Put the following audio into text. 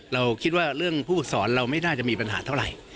เราคิดว่าเรื่องผู้ฝึกสอนเราไม่น่าจะมีปัญหาเท่าไหร่